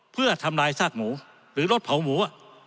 เพื่อทำลายซากหมูหรือรถเผาหมู